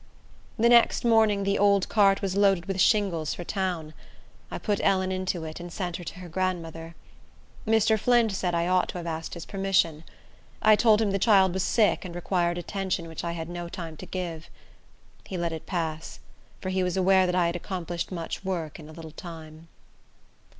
The next morning the old cart was loaded with shingles for town. I put Ellen into it, and sent her to her grandmother. Mr. Flint said I ought to have asked his permission. I told him the child was sick, and required attention which I had no time to give. He let it pass; for he was aware that I had accomplished much work in a little time.